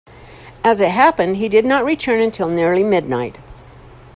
As it happened, he did not return until nearly midnight.